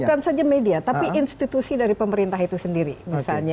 bukan saja media tapi institusi dari pemerintah itu sendiri misalnya